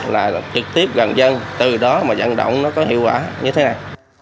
là trực tiếp gần dân từ đó mà dẫn động nó có hiệu quả như thế này